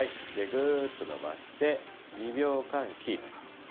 ぐーっと伸ばして、２秒間キープ。